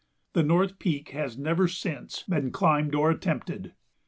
The North Peak has never since been climbed or attempted.